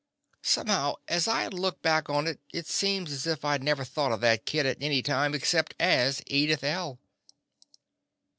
Somehow, as I look back on it, it seems as if I 'd never thought of that kid, at any time, except as Edith L.